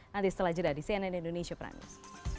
nanti setelah jeda di cnn indonesia pramius